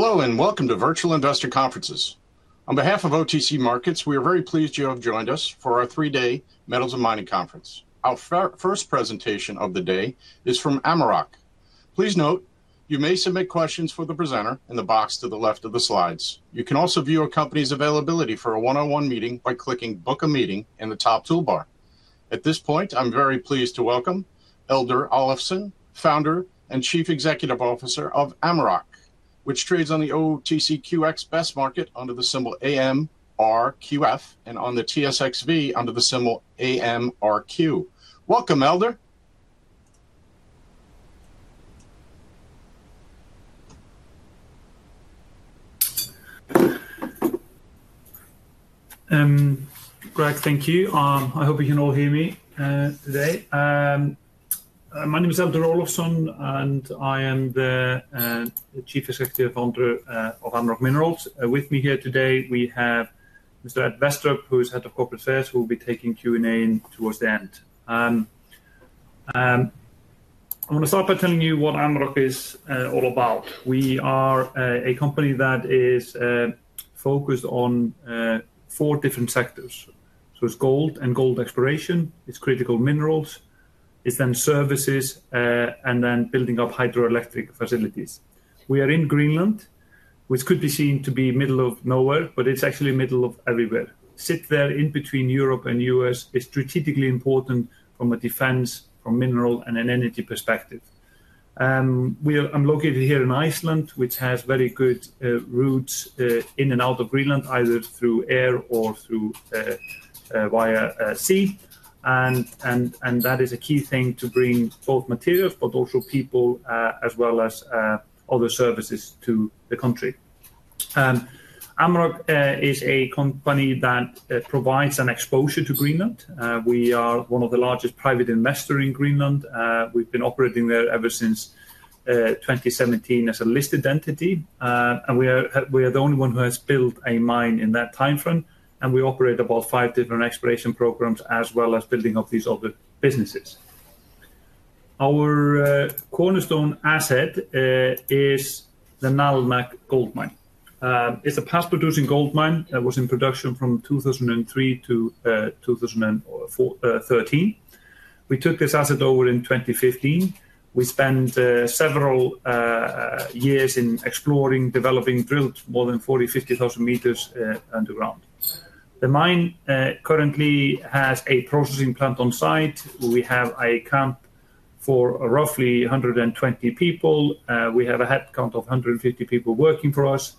Hello and welcome to Virtual Industrial Conferences. On behalf of OTC Markets, we are very pleased you have joined us for our three-day Metals and Mining Conference. Our first presentation of the day is from Amaroq Minerals Ltd. Please note, you may submit questions for the presenter in the box to the left of the slides. You can also view a company's availability for a one-on-one meeting by clicking "Book a Meeting" in the top toolbar. At this point, I'm very pleased to welcome Eldur Olafsson, Founder and Chief Executive Officer of Amaroq, which trades on the OTCQX Best Market under the symbol AMRQF and on the TSXV under the symbol AMRQ. Welcome, Eldur. Greg, thank you. I hope you can all hear me today. My name is Eldur Olafsson, and I am the Chief Executive Founder of Amaroq Minerals. With me here today, we have Mr. Edward Westropp, who is Head of Corporate Affairs, who will be taking Q&A towards the end. I'm going to start by telling you what Amaroq is all about. We are a company that is focused on four different sectors. It's gold and gold exploration, it's critical minerals, it's then services, and then building up hydroelectric facilities. We are in Greenland, which could be seen to be middle of nowhere, but it's actually middle of everywhere. It sits there in between Europe and the U.S. It's strategically important from a defense, from a mineral and an energy perspective. I'm located here in Iceland, which has very good routes in and out of Greenland, either through air or via sea. That is a key thing to bring both materials but also people as well as other services to the country. Amaroq is a company that provides an exposure to Greenland. We are one of the largest private investors in Greenland. We've been operating there ever since 2017 as a listed entity. We are the only one who has built a mine in that time frame, and we operate about five different exploration programs as well as building up these other businesses. Our cornerstone asset is the Nalunaq Project. It's a past-producing goldmine that was in production from 2003-2013. We took this asset over in 2015. We spent several years exploring, developing, and drilled more than 40,000-50,000 meters underground. The mine currently has a processing plant on site. We have a camp for roughly 120 people. We have a headcount of 150 people working for us.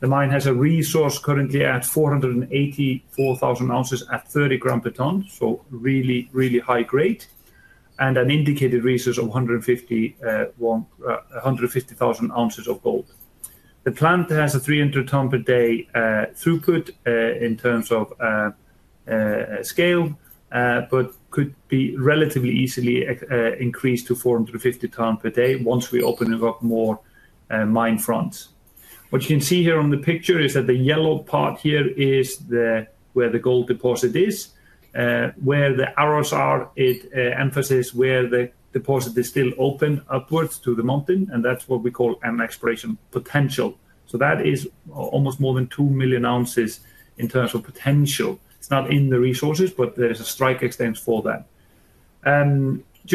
The mine has a resource currently at 484,000 ounces at 30 gram per ton, so really, really high grade, and an indicated resource of 150,000 ounces of gold. The plant has a 3 ton per day throughput in terms of scale, but could be relatively easily increased to 450 ton per day once we open up more mine fronts. What you can see here on the picture is that the yellow part here is where the gold deposit is. Where the arrows are, it emphasizes where the deposit is still open upwards to the mountain, and that's what we call an exploration potential. That is almost more than 2 million ounces in terms of potential. It's not in the resources, but there's a strike extent for that.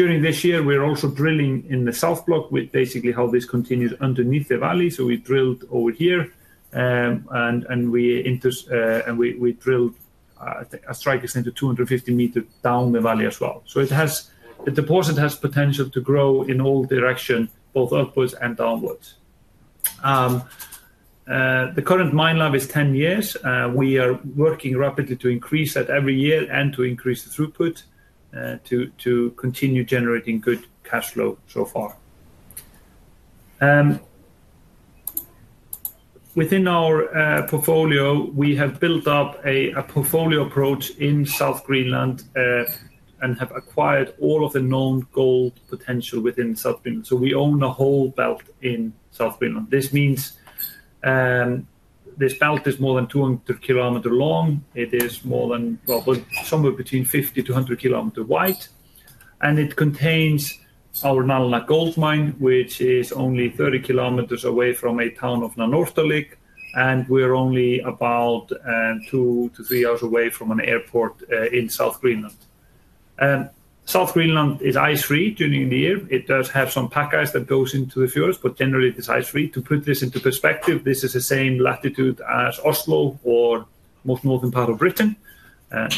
During this year, we're also drilling in the South Block, which basically continues underneath the valley. We drilled over here, and we drilled a strike extent of 250 meters down the valley as well. The deposit has potential to grow in all directions, both upwards and downwards. The current mine life is 10 years. We are working rapidly to increase that every year and to increase the throughput to continue generating good cash flow so far. Within our portfolio, we have built up a portfolio approach in South Greenland and have acquired all of the known gold potential within South Greenland. We own the whole belt in South Greenland. This means this belt is more than 200 km long. It is somewhere between 50-100 km wide, and it contains our Nalunaq Project, which is only 30 km away from the town of Narsarsuaq, and we're only about 2-3 hours away from an airport in South Greenland. South Greenland is ice-free during the year. It does have some pack ice that goes into the fjords, but generally, it is ice-free. To put this into perspective, this is the same latitude as Oslo or the most northern part of Britain.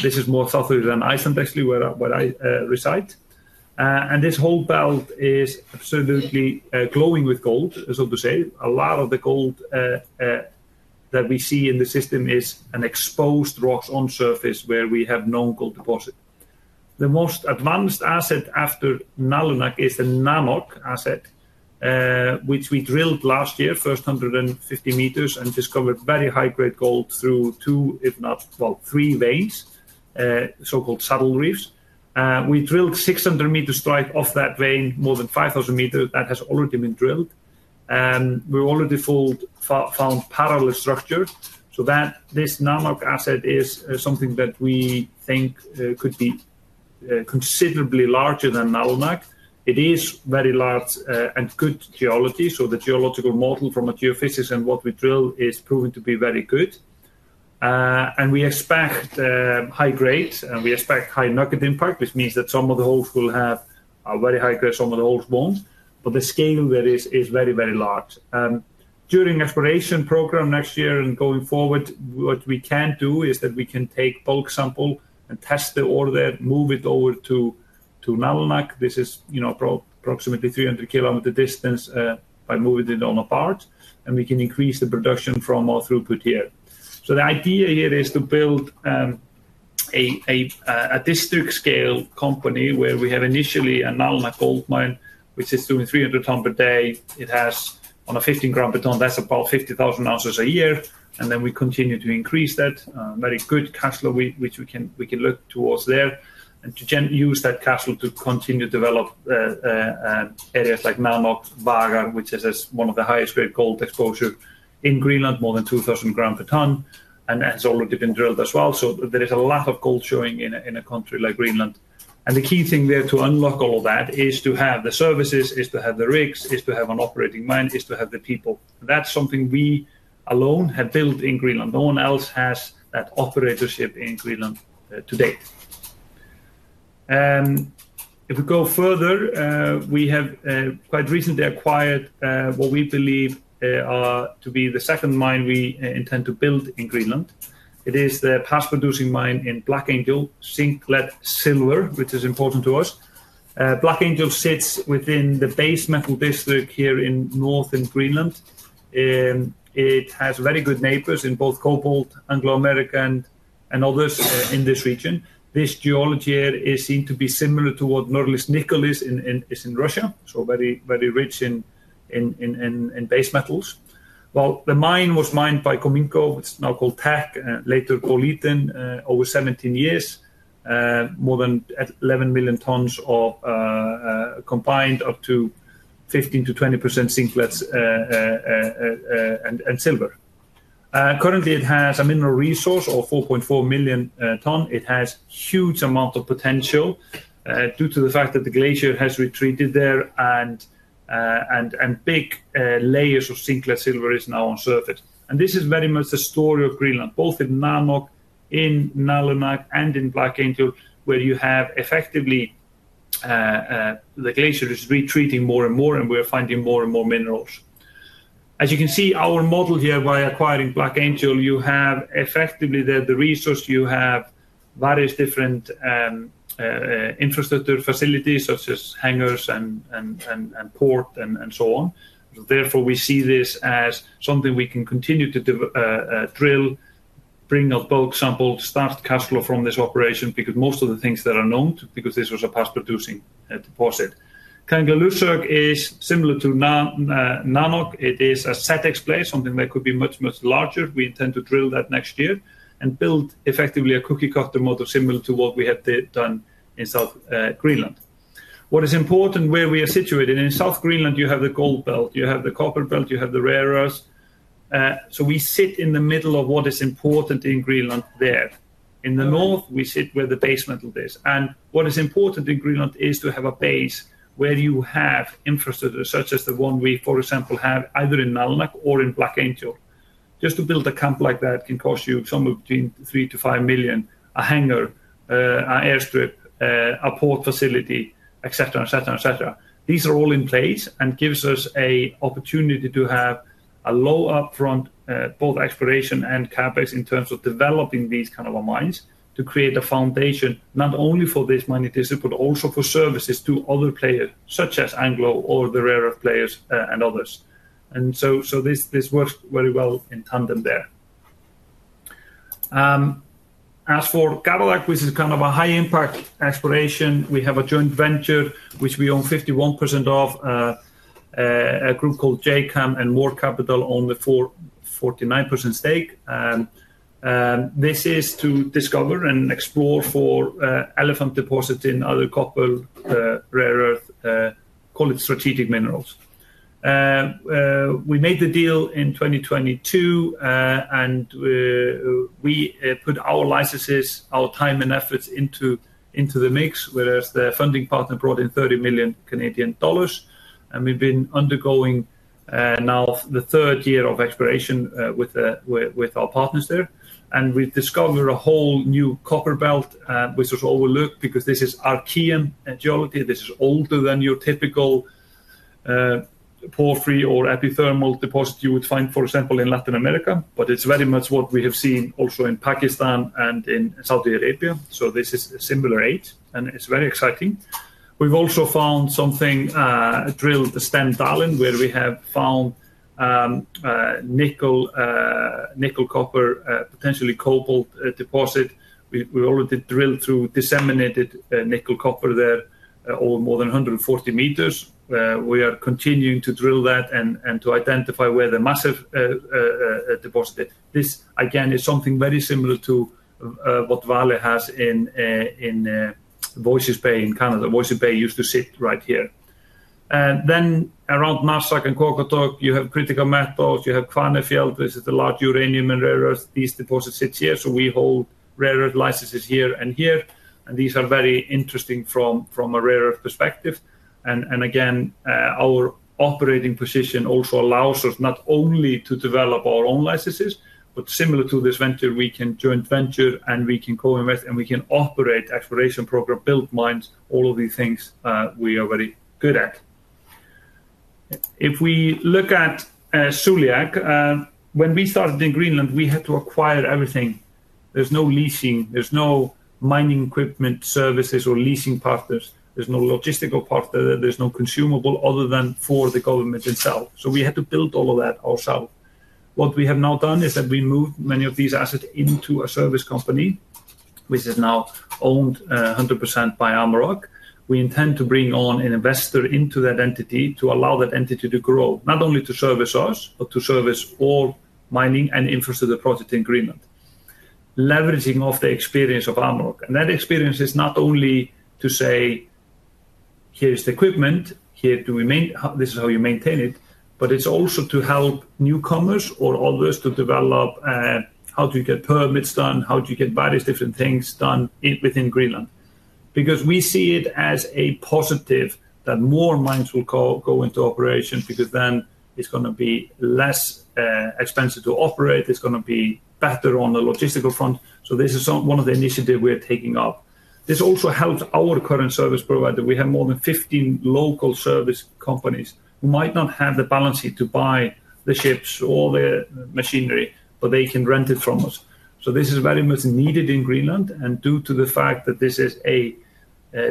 This is more south of Iceland, actually, where I reside. This whole belt is absolutely glowing with gold, as we say. A lot of the gold that we see in the system is exposed rocks on surface where we have known gold deposits. The most advanced asset after Nalunaq is the Nanoq asset, which we drilled last year, first 150 meters, and discovered very high-grade gold through two, if not three, veins, so-called saddle reefs. We drilled 600 meters strike off that vein, more than 5,000 meters that has already been drilled. We already found parallel structure. The Nanoq asset is something that we think could be considerably larger than Nalunaq. It is very large and good geology, so the geological model from a geophysicist and what we drill is proven to be very good. We expect high grades and we expect high nugget impact, which means that some of the holes will have a very high grade, some of the holes won't. The scale there is very, very large. During the exploration program next year and going forward, what we can do is take bulk samples and test the ore there, move it over to Nalunaq. This is approximately 300 km distance by moving it on a part, and we can increase the production from our throughput here. The idea here is to build a district scale company where we have initially a Nalunaq Gold Mine, which is doing 300 ton per day. It has, on a 15 gram per ton, that's about 50,000 ounces a year, and we continue to increase that. Very good cash flow, which we can look towards there, and to then use that cash flow to continue to develop areas like Nanoq, Vagar Ridge, which is one of the highest grade gold exposure in Greenland, more than 2,000 gram per ton, and has already been drilled as well. There is a lot of gold showing in a country like Greenland. The key thing there to unlock all of that is to have the services, to have the rigs, to have an operating mine, to have the people. That's something we alone have built in Greenland. No one else has that operatorship in Greenland to date. If we go further, we have quite recently acquired what we believe to be the second mine we intend to build in Greenland. It is the past-producing mine in Black Angel zinc-lead-silver, which is important to us. Black Angel sits within the base metal district here in northern Greenland, and it has very good neighbors in both cobalt, Anglo-American, and others in this region. This geology here is seen to be similar to what Norilsk Nickel is in Russia, so very, very rich in base metals. The mine was mined by Cominco, it's now called Teck, later called Eaton, over 17 years, more than 11 million tons combined, up to 15%-20% zinc leads and silver. Currently, it has a mineral resource of 4.4 million ton. It has a huge amount of potential due to the fact that the glacier has retreated there, and big layers of zinc leads silver is now on surface. This is very much the story of Greenland, both in Nanoq, in Nalunaq, and in Black Angel, where you have effectively the glacier is retreating more and more, and we're finding more and more minerals. As you can see, our model here by acquiring Black Angel, you have effectively the resource, you have various different infrastructure facilities such as hangars and ports and so on. Therefore, we see this as something we can continue to drill, bring up bulk samples, start cash flow from this operation because most of the things that are known because this was a past-producing deposit. Kangerluarsuk is similar to Nanoq. It is a SEDEX place, something that could be much, much larger. We intend to drill that next year and build effectively a cookie-cutter model similar to what we had done in South Greenland. What is important, where we are situated in South Greenland, you have the gold belt, you have the copper belt, you have the rare earth. We sit in the middle of what is important in Greenland there. In the north, we sit where the base metal is. What is important in Greenland is to have a base where you have infrastructure such as the one we, for example, have either in Nalunaq or in Black Angel. Just to build a camp like that can cost you somewhere between 3 million-5 million, a hangar, an airstrip, a port facility, etc. These are all in place and give us an opportunity to have a low upfront, both exploration and CapEx in terms of developing these kinds of mines to create a foundation not only for this mining district but also for services to other players such as Anglo or the rare earth players and others. This works very well in tandem there. As for Cadillac, which is kind of a high-impact exploration, we have a joint venture which we own 51% of, a group called GCAM and More Capital owned with 49% stake. This is to discover and explore for elephant deposits in other copper rare earth, call it strategic minerals. We made the deal in 2022, and we put our licenses, our time and efforts into the mix, whereas the funding partner brought in 30 million Canadian dollars. We've been undergoing now the third year of exploration with our partners there. We discovered a whole new copper belt, which was overlooked because this is Archaean geology. This is older than your typical porphyry or epithermal deposit you would find, for example, in Latin America, but it's very much what we have seen also in Pakistan and in Saudi Arabia. This is a similar age, and it's very exciting. We've also found something, drilled the Stendalen, where we have found nickel, copper, potentially cobalt deposit. We already drilled through disseminated nickel copper there over more than 140 meters. We are continuing to drill that and to identify where the massive deposit is. This again is something very similar to what Vale has in Voisey's Bay in Canada. Voisey's Bay used to sit right here. Around Narsarsuaq and Qarqotoq, you have critical metals. You have Kvanefjeld, which is a large uranium and rare earth. These deposits sit here. We hold rare earth licenses here and here, and these are very interesting from a rare earth perspective. Our operating position also allows us not only to develop our own licenses, but similar to this venture, we can joint venture and we can co-invest and we can operate exploration program, build mines, all of these things we are very good at. If we look at Suliaq, when we started in Greenland, we had to acquire everything. There's no leasing, there's no mining equipment services or leasing partners. There's no logistical partner. There's no consumable other than for the government itself. We had to build all of that ourselves. What we have now done is that we moved many of these assets into a service company, which is now owned 100% by Amaroq. We intend to bring on an investor into that entity to allow that entity to grow, not only to service us but to service all mining and infrastructure projects in Greenland, leveraging off the experience of Amaroq. That experience is not only to say, here's the equipment, here do we maintain, this is how you maintain it, but it's also to help newcomers or others to develop how to get permits done, how to get various different things done within Greenland. We see it as a positive that more mines will go into operation because then it's going to be less expensive to operate. It's going to be better on the logistical front. This is one of the initiatives we are taking up. This also helps our current service provider. We have more than 15 local service companies who might not have the balance sheet to buy the ships or the machinery, but they can rent it from us. This is very much needed in Greenland. Due to the fact that this is a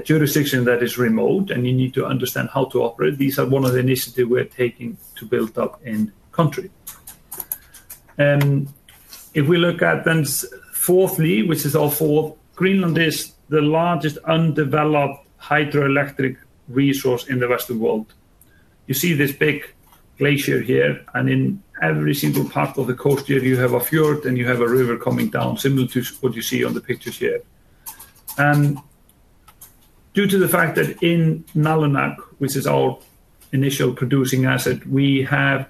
jurisdiction that is remote and you need to understand how to operate, these are one of the initiatives we're taking to build up in country. If we look at then fourthly, which is our fourth, Greenland is the largest undeveloped hydroelectric resource in the rest of the world. You see this big glacier here, and in every single part of the coast here, you have a fjord and you have a river coming down, similar to what you see on the pictures here. Due to the fact that in Nalunaq, which is our initial producing asset, we have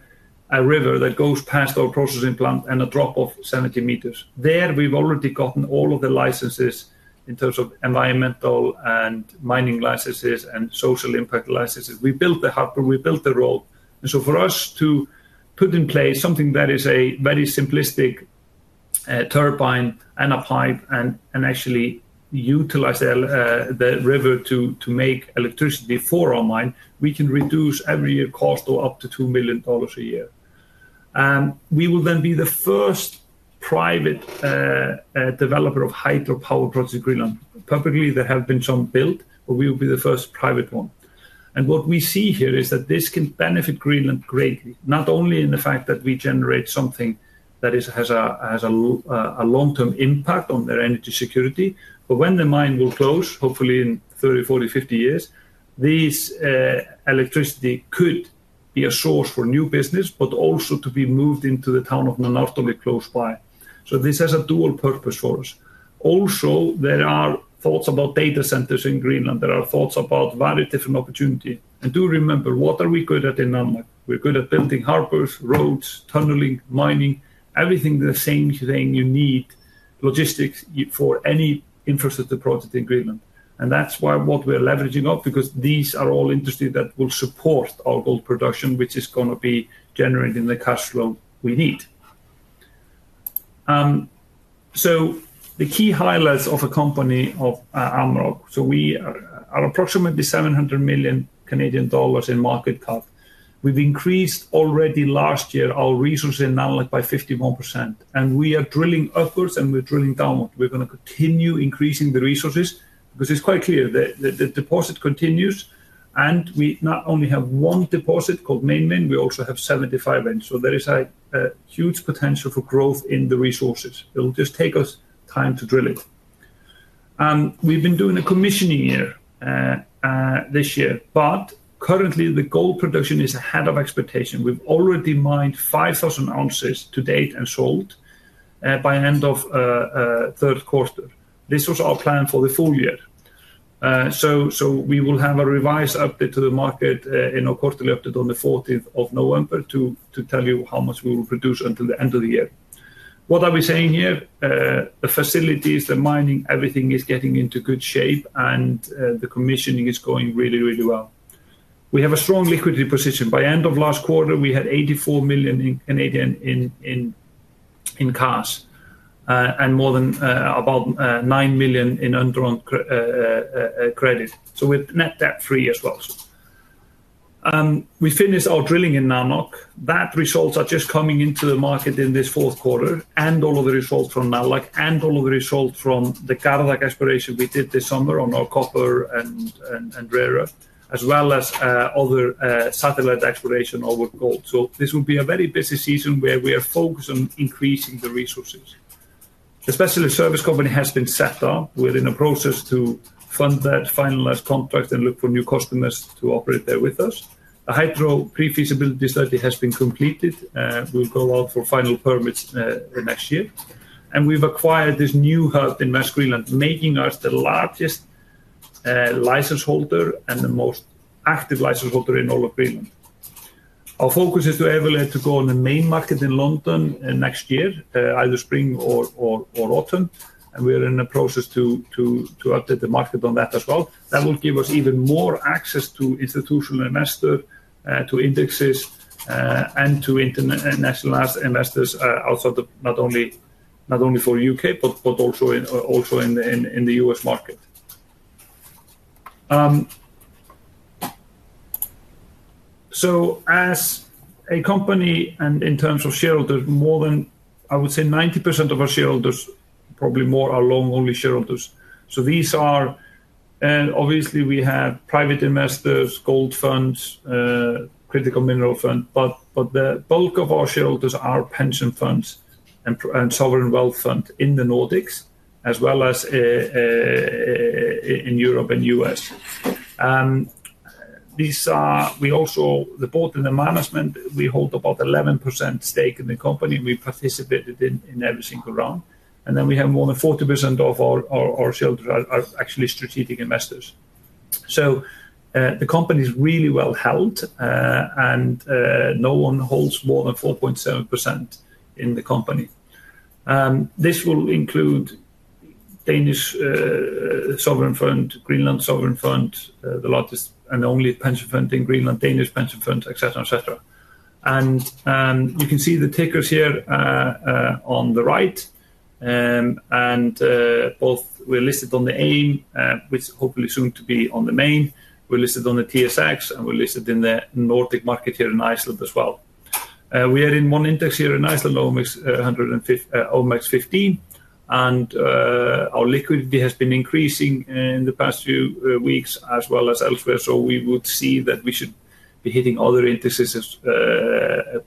a river that goes past our processing plant and a drop of 70 meters. There, we've already gotten all of the licenses in terms of environmental and mining licenses and social impact licenses. We built the harbor, we built the road. For us to put in place something that is a very simplistic turbine and a pipe and actually utilize the river to make electricity for our mine, we can reduce every year cost of up to 2 million dollars a year. We will then be the first private developer of hydropower projects in Greenland. Publicly, there have been some built, but we will be the first private one. What we see here is that this can benefit Greenland greatly, not only in the fact that we generate something that has a long-term impact on their energy security, but when the mine will close, hopefully in 30, 40, 50 years, this electricity could be a source for new business, but also to be moved into the town of Nanortalik close by. This has a dual purpose for us. Also, there are thoughts about data centers in Greenland. There are thoughts about various different opportunities. Do remember, what are we good at in Nalunaq? We're good at building harbors, roads, tunneling, mining, everything the same thing you need logistics for any infrastructure project in Greenland. That's why what we're leveraging up because these are all industries that will support our gold production, which is going to be generating the cash flow we need. The key highlights of a company of Amaroq. We are approximately 700 million Canadian dollars in market cap. We've increased already last year our resources in Nalunaq by 51%. We are drilling upwards and we're drilling downward. We're going to continue increasing the resources because it's quite clear that the deposit continues. We not only have one deposit called Main Vein, we also have 75 veins. There is a huge potential for growth in the resources. It'll just take us time to drill it. We've been doing a commissioning year this year, but currently the gold production is ahead of expectation. We've already mined 5,000 ounces to date and sold by the end of the third quarter. This was our plan for the full year. We will have a revised update to the market in our quarterly update on the 14th of November to tell you how much we will produce until the end of the year. What are we saying here? The facilities, the mining, everything is getting into good shape and the commissioning is going really, really well. We have a strong liquidity position. By the end of last quarter, we had 84 million in cash and more than about 9 million in underwriting credit. We're net debt-free as well. We finished our drilling in Nalunaq. That result is just coming into the market in this fourth quarter and all of the results from Nalunaq and all of the results from the Cadillac exploration we did this summer on our copper and rare earth, as well as other satellite exploration over gold. This will be a very busy season where we are focused on increasing the resources. The specialist service company has been set up. We're in the process to fund that, finalize contracts, and look for new customers to operate there with us. The hydro pre-feasibility study has been completed. We'll go out for final permits next year. We've acquired this new hub in West Greenland, making us the largest license holder and the most active license holder in all of Greenland. Our focus is to evaluate to go on the main market in London next year, either spring or autumn. We're in the process to update the market on that as well. That will give us even more access to institutional investors, to indexes, and to internationalized investors outside not only for the U.K., but also in the U.S. market. As a company and in terms of shareholders, more than I would say 90% of our shareholders, probably more, are long-only shareholders. Obviously, we have private investors, gold funds, critical mineral funds, but the bulk of our shareholders are pension funds and sovereign wealth funds in the Nordics, as well as in Europe and the U.S. Also, both in the management, we hold about 11% stake in the company. We participated in every single round. We have more than 40% of our shareholders are actually strategic investors. The company is really well held, and no one holds more than 4.7% in the company. This will include Danish sovereign fund, Greenland sovereign fund, the largest and only pension fund in Greenland, Danish pension fund, etc. You can see the tickers here on the right. Both we're listed on the AIM, which is hopefully soon to be on the main. We're listed on the TSXV, and we're listed in the Nordic market here in Iceland as well. We are in one index here in Iceland, OMX 15. Our liquidity has been increasing in the past few weeks as well as elsewhere. We would see that we should be hitting other indices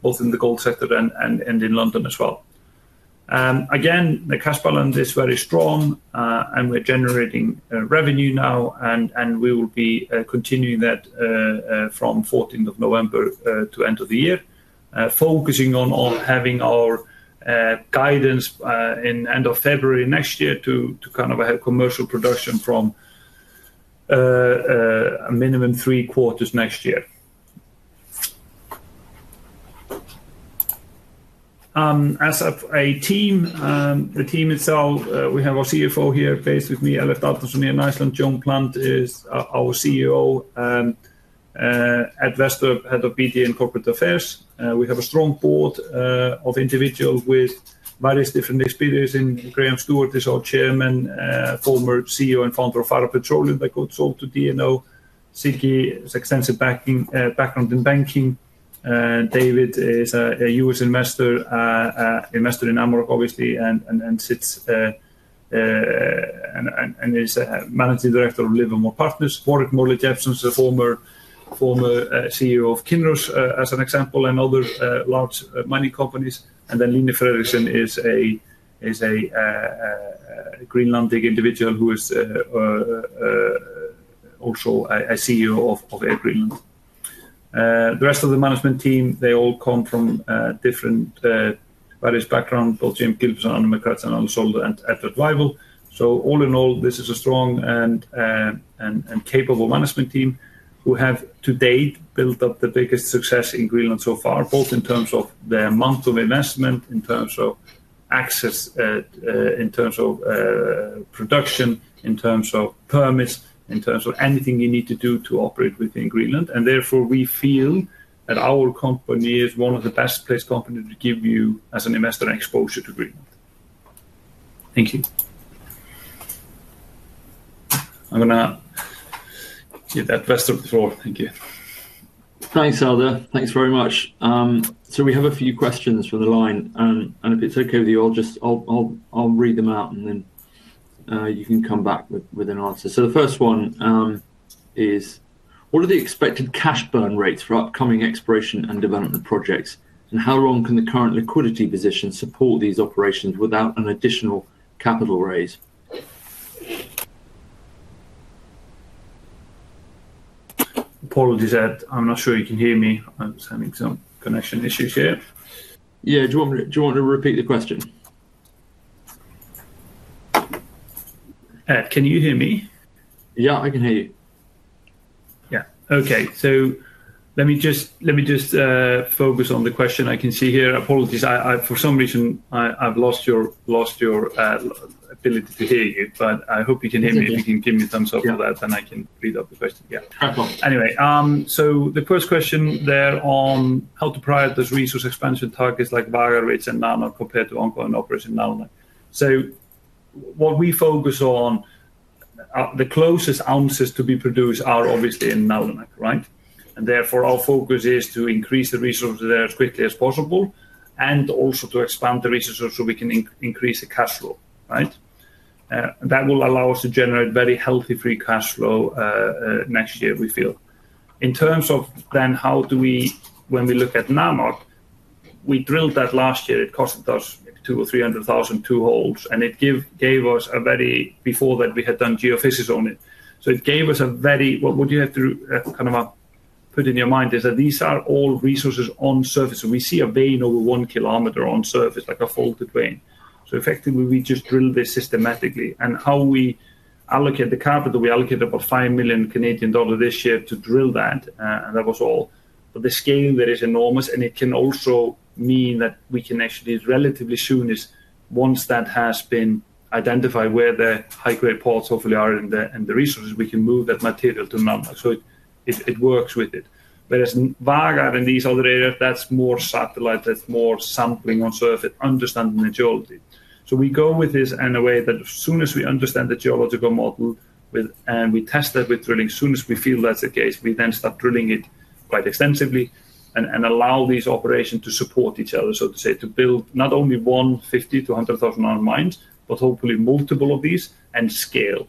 both in the gold sector and in London as well. Again, the cash balance is very strong, and we're generating revenue now, and we will be continuing that from 14th of November to end of the year, focusing on having our guidance in the end of February next year to kind of have commercial production from a minimum three quarters next year. As a team, the team itself, we have our CFO here based with me, Ellert Arnarson here in Iceland. Eldur Olafsson is our CEO, and Edward Westropp, Head of Corporate Affairs. We have a strong board of individuals with various different experiences. Graham Stewart is our Chairman, former CEO and founder of Faroe Petroleum that got sold to DNO. Siggi has extensive background in banking. David is a U.S. investor, investor in Amaroq, obviously, and is Managing Director of Livermore Partners. Warwick Morley-Jepson is a former CEO of Kinross as an example and other large mining companies. Lina Fredriksson is a Greenlandic individual who is also a CEO of Air Greenland. The rest of the management team, they all come from different various backgrounds, both Jim Gilbertson, Anna McGraths, Anna Solder, and Edward Wyvill. All in all, this is a strong and capable management team who have to date built up the biggest success in Greenland so far, both in terms of their amount of investment, in terms of access, in terms of production, in terms of permits, in terms of anything you need to do to operate within Greenland. Therefore, we feel that our company is one of the best-placed companies to give you, as an investor, exposure to Greenland. Thank you. I'm going to give Ed Westropp the floor. Thank you. Thanks, Eldur. Thanks very much. We have a few questions from the line. If it's okay with you, I'll just read them out and then you can come back with an answer. The first one is, what are the expected cash burn rates for upcoming exploration and development projects? How long can the current liquidity position support these operations without an additional capital raise? Apologies, Ed. I'm not sure you can hear me. I'm sensing some connection issues here. Do you want to repeat the question? Ed, can you hear me? Yeah, I can hear you. Okay. Let me just focus on the question. I can see here, apologies, for some reason I've lost your ability to hear you, but I hope you can hear me. If you can give me a thumbs up for that, then I can read up the question. How come? Anyway, the first question there on how to prioritize resource expansion targets like Vagar Ridge and Nanoq compared to ongoing operation in Nalunaq. What we focus on, the closest ounces to be produced are obviously in Nalunaq, right? Therefore, our focus is to increase the resources there as quickly as possible and also to expand the resources so we can increase the cash flow, right? That will allow us to generate very healthy free cash flow next year, we feel. In terms of then how do we, when we look at Nanoq, we drilled that last year. It cost us 200,000 or 300,000 to hold, and it gave us a very, before that we had done geophysics on it. It gave us a very, what you have to kind of put in your mind is that these are all resources on surface. We see a vein over 1 km on surface, like a faulty vein. Effectively, we just drill this systematically. How we allocate the capital, we allocated about 5 million Canadian dollars this year to drill that, and that was all. The scale there is enormous, and it can also mean that we can actually, relatively soon, once that has been identified where the high-grade parts hopefully are in the resources, we can move that material to Nalunaq. It works with it. Whereas Vagar and these other areas, that's more satellite, that's more sampling on surface, understanding the geology. We go with this in a way that as soon as we understand the geological model, and we test that with drilling, as soon as we feel that's the case, we then start drilling it quite extensively and allow these operations to support each other, so to say, to build not only 150,000-100,000 ounce mines, but hopefully multiple of these and scale.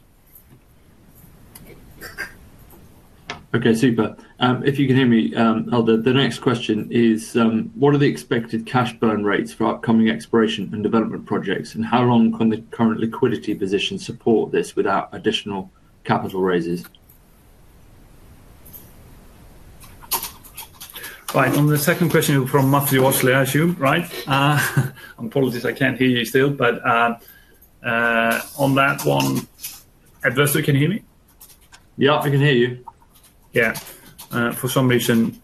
Okay, super. If you can hear me, Eldur, the next question is, what are the expected cash burn rates for upcoming exploration and development projects? How long can the current liquidity position support this without additional capital raises? Right, on the second question from Matthew Oshley, I assume, right? Apologies, I can't hear you still, but on that one, Edward, can you hear me? Yeah, I can hear you. Yeah, for some reason,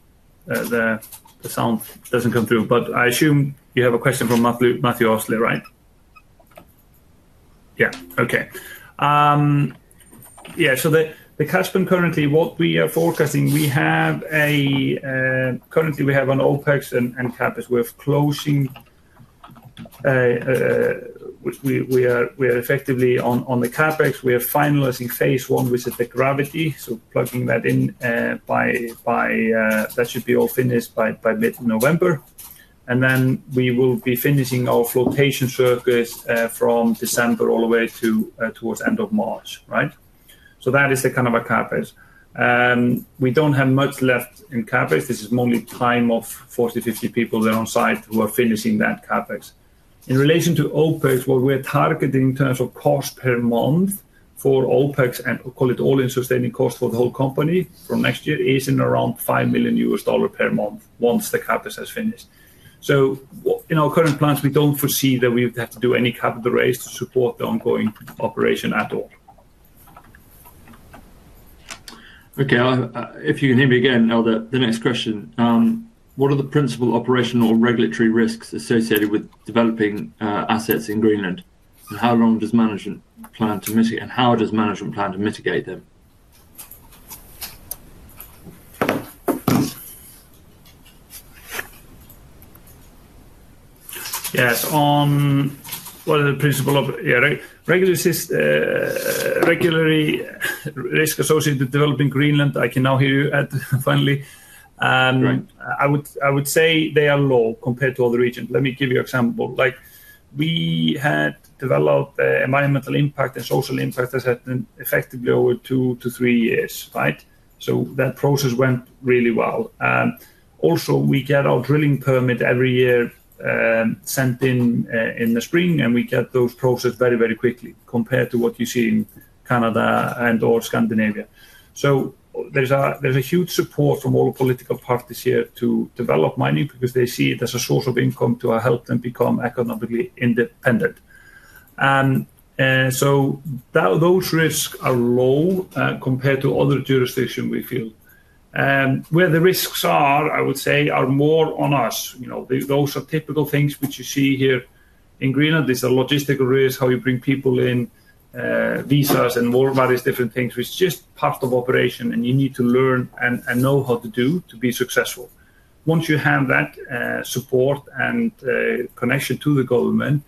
the sound doesn't come through, but I assume you have a question from Matthew Oshley, right? Yeah, okay. Yeah, so the cash burn currently, what we are forecasting, we have a, currently we have an OpEx and CapEx. We're closing, we are effectively on the CapEx. We are finalizing phase one with the gravity, so plugging that in by, that should be all finished by mid-November. We will be finishing our flotation circus from December all the way towards the end of March, right? That is the kind of a CapEx. We don't have much left in CapEx. This is only time of 40-50 people there on site who are finishing that CapEx. In relation to OpEx, what we're targeting in terms of cost per month for OpEx and call it all-in sustaining cost for the whole company from next year is in around $5 million per month once the CapEx has finished. In our current plans, we don't foresee that we would have to do any capital raise to support the ongoing operation at all. Okay, if you can hear me again, Eldur, the next question, what are the principal operational or regulatory risks associated with developing assets in Greenland? How long does management plan to mitigate, and how does management plan to mitigate them? Yeah, on what are the principal regulatory risks associated with developing Greenland? I can now hear you, Ed, finally. I would say they are low compared to other regions. Let me give you an example. We had developed environmental impact and social impact assessment effectively over two to three years, right? That process went really well. We get our drilling permit every year sent in in the spring, and we get those processed very, very quickly compared to what you see in Canada and/or Scandinavia. There is huge support from all political parties here to develop mining because they see it as a source of income to help them become economically independent. Those risks are low compared to other jurisdictions, we feel. Where the risks are, I would say, are more on us. Those are typical things which you see here in Greenland. There is a logistical risk, how you bring people in, visas, and more various different things, which is just part of operation, and you need to learn and know how to do to be successful. Once you have that support and connection to the government,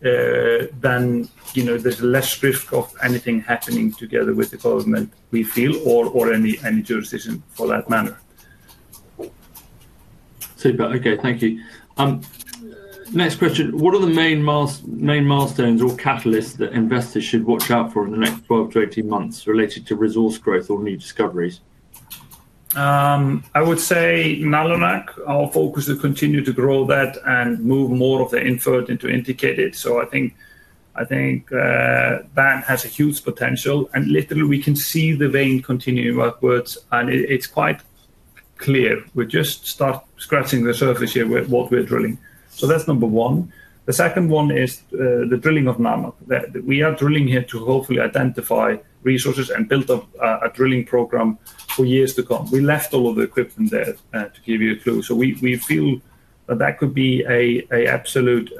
then you know there is less risk of anything happening together with the government, we feel, or any jurisdiction for that matter. Super, okay, thank you. Next question, what are the main milestones or catalysts that investors should watch out for in the next 12-18 months related to resource growth or new discoveries? I would say Nalunaq, our focus will continue to grow that and move more of the input into indicated. I think that has a huge potential. Literally, we can see the vein continuing upwards, and it's quite clear. We're just scratching the surface here with what we're drilling. That's number one. The second one is the drilling of Nalunaq. We are drilling here to hopefully identify resources and build up a drilling program for years to come. We left all of the equipment there to give you a clue. We feel that that could be an absolute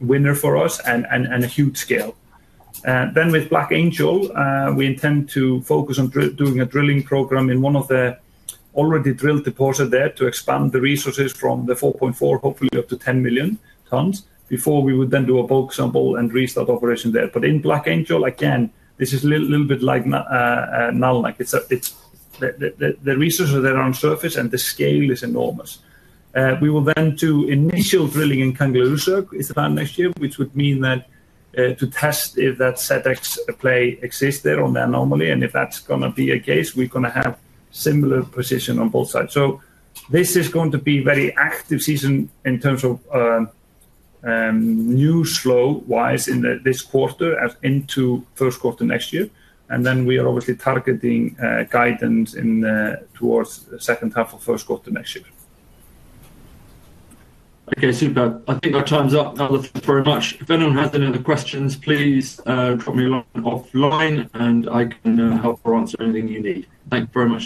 winner for us and a huge scale. With Black Angel, we intend to focus on doing a drilling program in one of the already drilled deposits there to expand the resources from the 4.4, hopefully up to 10 million tons before we would then do a bulk sample and restart operation there. In Black Angel, again, this is a little bit like Nalunaq. The resources that are on surface and the scale is enormous. We will then do initial drilling in Kangerluarsuk, it's about next year, which would mean that to test if that SEDEX play exists there on the anomaly. If that's going to be the case, we're going to have a similar position on both sides. This is going to be a very active season in terms of news flow-wise in this quarter as into first quarter next year. We are obviously targeting guidance towards the second half of first quarter next year. Okay, super. I think our time's up. Eldur, thank you very much. If anyone has any other questions, please move on offline, and I can help or answer anything you need. Thank you very much.